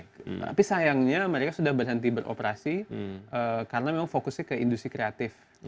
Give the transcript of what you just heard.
tapi sayangnya mereka sudah berhenti beroperasi karena memang fokusnya ke industri kreatif